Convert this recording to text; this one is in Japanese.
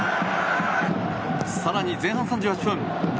更に前半３８分。